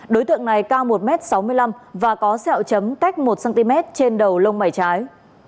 đối tượng này cao một m sáu mươi năm và có sẹo chấm cách một cm trên đầu lông mảy trái